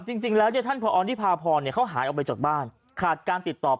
จริงเพราะพอพ่อเนี่ยเขาหายออกไปจากบ้านขาดการติดต่อ